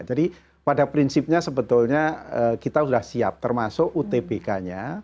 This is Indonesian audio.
jadi pada prinsipnya sebetulnya kita sudah siap termasuk utpk nya